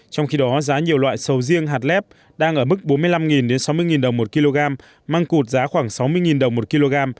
trong khi đó giá nhiều loại sầu riêng hạt lép đang ở mức bốn mươi năm sáu mươi đồng một kg măng cụt giá khoảng sáu mươi đồng một kg